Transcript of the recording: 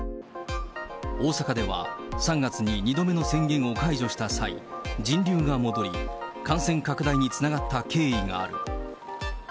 大阪では、３月に２度目の宣言を解除した際、人流が戻り、感染拡大につながった経緯がある。